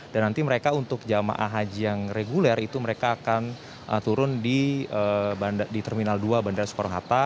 dan nanti mereka untuk jemaah haji yang reguler itu mereka akan turun di terminal dua bandara soekarohata